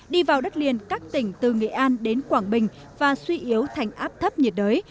đi vào đất liền các tỉnh từ nghệ an đến quảng bình và suy yếu thành áp thấp nhiệt đới